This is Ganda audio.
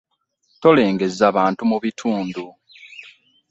Ttolengezza bantu mu bitundu.